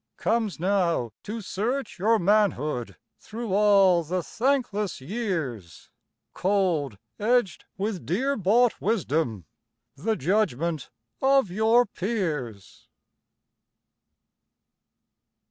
Comes now, to search your manhood Through all the thankless years, Cold, edged with dear bought wisdom, The judgment of your peers!